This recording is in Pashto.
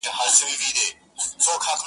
لکه ستړی چي باغوان سي پر باغ ټک وهي لاسونه-